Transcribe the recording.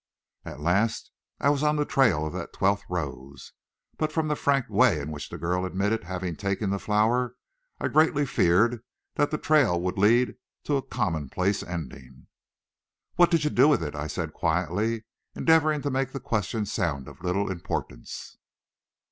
Ah, at last I was on the trail of that twelfth rose! But from the frank way in which the girl admitted having taken the flower, I greatly feared that the trail would lead to a commonplace ending. "What did you do with it?" I said quietly, endeavoring to make the question sound of little importance.